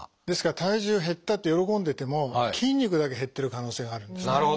ですから体重減ったって喜んでても筋肉だけ減ってる可能性があるんですね。